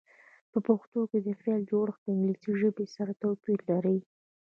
په پښتو کې د فعل جوړښت د انګلیسي ژبې سره توپیر لري.